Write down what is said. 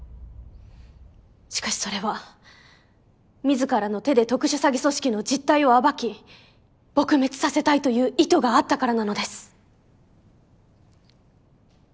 しかしそれは自らの手で特殊詐欺組織の実態を暴き撲滅させたいという意図があったからなのです。